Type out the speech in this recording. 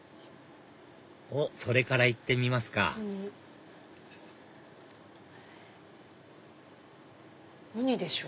おっそれからいってみますかウニでしょ。